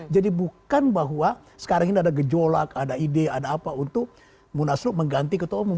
jadi bukan bahwa sekarang ini ada gejolak ada ide ada apa untuk munaslup mengganti ketua umum